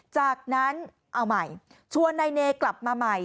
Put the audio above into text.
จากนั้นเอาใหม่ชวนนายเนกลับมาใหม่